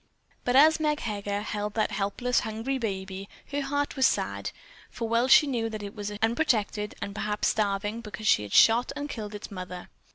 But as Meg Heger held that helpless, hungry baby her heart was sad, for well she knew that it was unprotected and perhaps starving because she had shot and killed its mother.